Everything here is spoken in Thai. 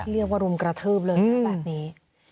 เรียกว่ารุมกระทืบเลยแบบนี้